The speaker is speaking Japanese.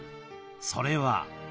それは？